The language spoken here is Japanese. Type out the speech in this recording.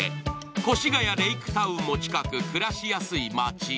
越谷レイクタウンも近く暮らしやすい街。